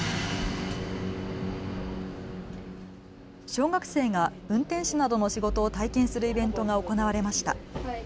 小学生が運転士などの仕事を体験するイベントが行われました。